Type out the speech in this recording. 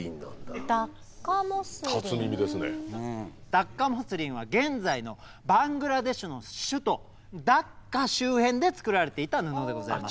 ダッカモスリンは現在のバングラデシュの首都ダッカ周辺で作られていた布でございます。